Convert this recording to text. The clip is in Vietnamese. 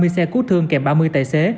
hai mươi xe cứu thương kèm ba mươi tài xế